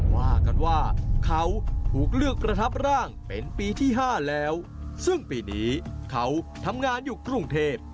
ว่ากันว่าเขาถูกเลือกประทับร่างเป็นปีที่๕แล้วซึ่งปีนี้เขาทำงานอยู่กรุงเทพ